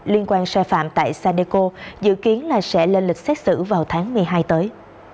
liên quan sai phạm tại sadeco dự kiến là sẽ lên lịch xét xử vào tháng một mươi hai tới